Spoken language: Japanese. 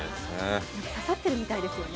刺さってるみたいですよね。